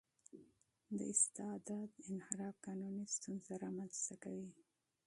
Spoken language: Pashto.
د صلاحیت انحراف قانوني ستونزه رامنځته کوي.